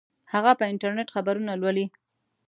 هغه په انټرنیټ خبرونه لولي